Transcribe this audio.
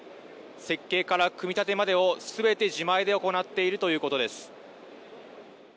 設計から組み立てまでをすべて自前で行っているということです。